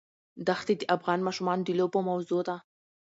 دښتې د افغان ماشومانو د لوبو موضوع ده.